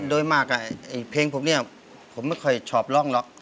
โดยมากเพลงผมเนี่ยผมไม่ค่อยชอบร่องหรอก